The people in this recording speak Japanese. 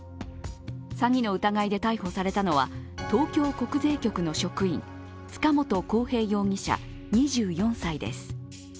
詐欺の疑いで逮捕されたのは東京国税局の職員、塚本晃平容疑者２４歳です。